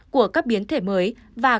của các biến thể mới và